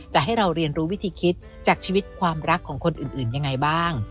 ให้เราเรียนรู้วิธีคิดจากชีวิตความรักของคนอื่นยังไงบ้าง